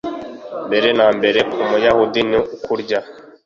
mbere na mbere ku Muyahudi nu kurya